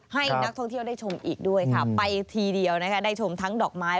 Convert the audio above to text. ให้นักท่องเที่ยวได้ชมอีกด้วยค่ะไปทีเดียวนะคะได้ชมทั้งดอกไม้